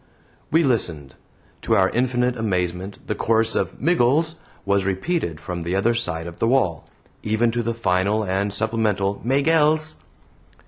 We listened. To our infinite amazement the chorus of "Miggles" was repeated from the other side of the wall, even to the final and supplemental "Maygells."